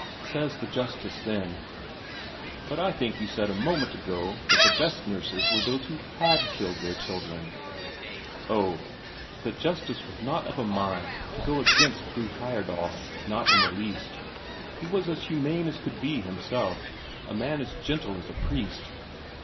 Says the justice then: "But I think you said a moment ago that the best nurses were those who had killed their children?" Oh, but the justice was not of a mind to go against Fru Heyerdahl, not in the least he was as humane as could be himself, a man as gentle as a priest.